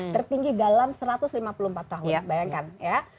tertinggi dalam satu ratus lima puluh empat tahun bayangkan ya